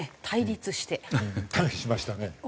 対比しましたね。